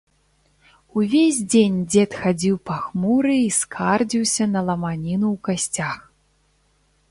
Увесь дзень дзед хадзіў пахмуры і скардзіўся на ламаніну ў касцях.